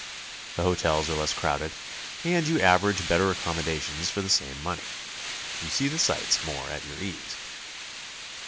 The hotels are less crowded, and you average better accommodations for the same money. You see the sights more at your ease.